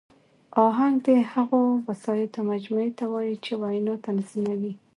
آهنګ د هغو وسایطو مجموعې ته وایي، چي وینا تنظیموي.